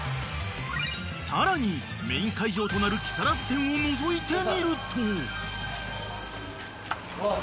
［さらにメイン会場となる木更津店をのぞいてみると］